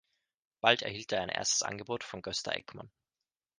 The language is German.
Bald erhielt er ein erstes Angebot von Gösta Ekman.